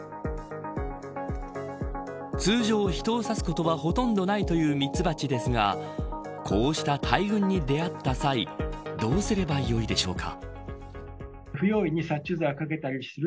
通常、人を刺すことはほとんどないというミツバチですがこうした大群に出会った際どうすればよいでしょうか。